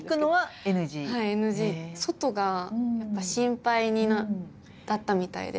外が心配だったみたいで。